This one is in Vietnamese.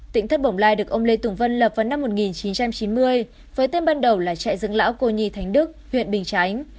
tỉnh thất bồng lai được ông lê tùng vân lập vào năm một nghìn chín trăm chín mươi với tên ban đầu là trại dựng lão cô nhi thánh đức huyện bình chánh